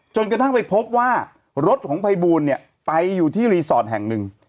จนกระทั่งไปพบว่ารถของภัยบูลเนี่ยไปอยู่ที่รีสอร์ทแห่งหนึ่ง